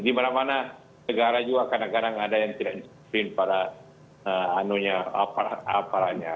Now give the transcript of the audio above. di mana mana negara juga kadang kadang ada yang tidak disiplin pada aparatnya